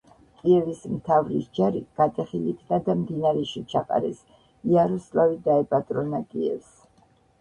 კიევის მთავრის ჯარი გატეხილ იქნა და მდინარეში ჩაყარეს, იაროსლავი დაეპატრონა კიევს.